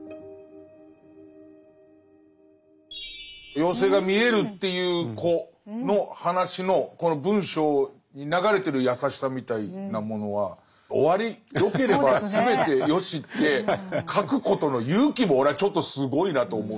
妖精が見えるっていう子の話のこの文章に流れてる優しさみたいなものは「おわりよければすべてよし」って書くことの勇気も俺はちょっとすごいなと思うし。